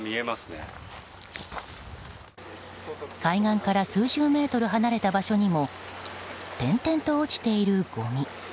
海岸から数十メートル離れた場所にも転々と落ちているごみ。